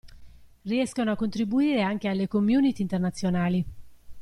Riescono a contribuire anche alle community internazionali.